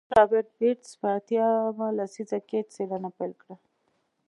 سیاستپوه رابرټ بېټس په اتیا مه لسیزه کې څېړنه پیل کړه.